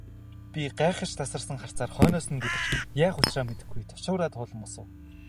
Би гайхаш тасарсан харцаар хойноос нь гөлөрч, яах учраа мэдэхгүй ташуураа тулан босов.